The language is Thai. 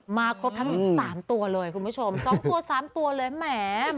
มาครบทั้ง๓ตัวเลยคุณผู้ชม๒ตัว๓ตัวเลยแหม